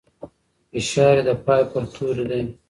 فشار يې د پای پر توري دی.